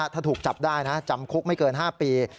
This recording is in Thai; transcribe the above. ถ้าถูกจับได้นะจำคุกไม่เกิน๕ปี